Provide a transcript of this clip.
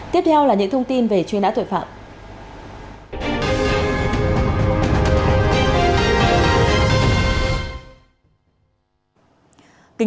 tiếp theo là những thông tin về chuyên đá tuổi phạm